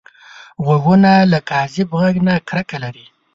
غوږونه له کاذب غږ نه کرکه لري